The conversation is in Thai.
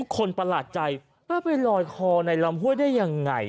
ประหลาดใจไปลอยคอในลำห้วยได้ยังไง